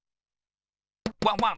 ワンワン。